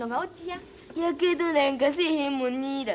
やけどなんかせえへんもんねだ。